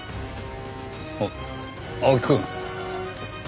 あ青木くん。